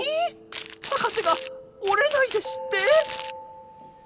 博士が折れないですって！？